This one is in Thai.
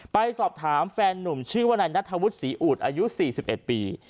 ไปสอบถามแฟนนุ่มชื่อว่านายนัทธวุฒิศรีอูดอายุ๔๑ปี